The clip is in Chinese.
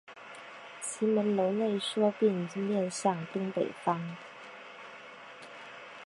其门楼内缩并面向东北方。